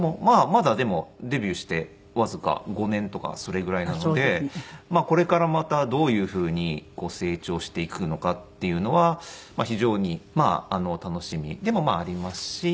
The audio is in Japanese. まだでもデビューしてわずか５年とかそれぐらいなのでこれからまたどういうふうに成長していくのかっていうのは非常に楽しみでもありますし。